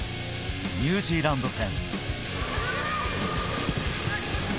ニュージーランド戦。